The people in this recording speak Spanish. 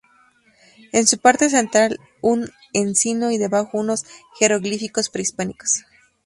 En su parte central un encino y debajo unos jeroglíficos prehispánicos.